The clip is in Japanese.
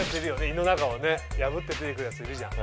胃の中をね破って出てくるヤツいるじゃん。